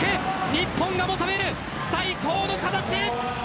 日本が求める最高の形。